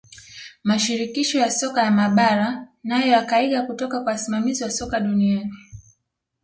mashirikisho ya soka ya mabara nayo yakaiga kutoka kwa wasimamizi wa soka duniani